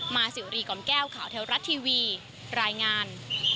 สิวรีกล่อมแก้วข่าวเทวรัฐทีวีรายงาน